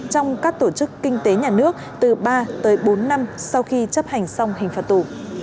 trong các tổ chức kinh tế nhà nước từ ba tới bốn năm sau khi chấp hành xong hình phạt tù